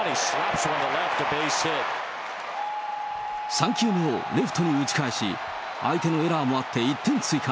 ３球目をレフトに打ち返し、相手のエラーもあって、１点追加。